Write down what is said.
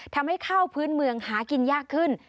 ทำให้ข้าวพื้นเมืองหากินยากขึ้น